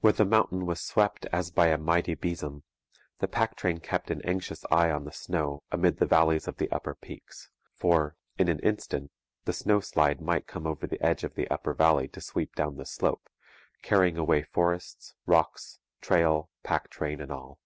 Where the mountain was swept as by a mighty besom, the pack train kept an anxious eye on the snow amid the valleys of the upper peaks; for, in an instant, the snowslide might come over the edge of the upper valley to sweep down the slope, carrying away forests, rocks, trail, pack train and all.